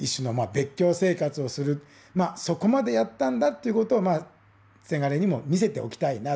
まあそこまでやったんだっていうことをせがれにも見せておきたいな。